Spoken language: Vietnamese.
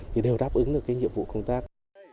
thì đều đáp ứng được cái nhiệm vụ công tác